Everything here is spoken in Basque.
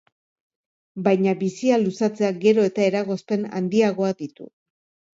Baina bizia luzatzeak gero eta eragozpen handiagoak ditu.